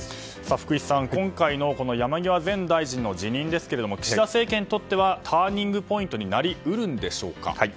福井さん、今回の山際前大臣の辞任ですが、岸田政権にとってはターニングポイントになり得るんでしょうか。